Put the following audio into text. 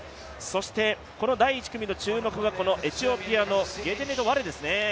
そして、この第１組の注目がこのエチオピアのゲトネト・ワレですね。